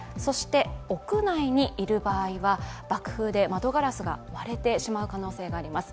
屋内にいる場合は、爆風で窓ガラスが割れてしまう可能性があります。